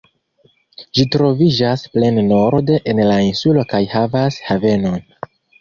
Ĝi troviĝas plej norde en la insulo kaj havas havenon.